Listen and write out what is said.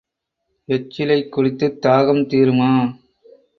எச்சிலைக் குடித்துத் தாகம் தீருமா?